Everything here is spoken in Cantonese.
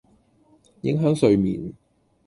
影響睡眠